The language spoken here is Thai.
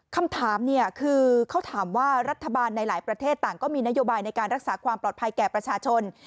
คำถามเนี่ยคือเขาถามว่ารัฐบาลในหลายประเทศต่างก็มีนโยบายในการรักษาความปลอดภัยแก่ประชาชน